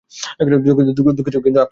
দুঃখিত, কিন্তু আপনি তো কিছু বলেননি।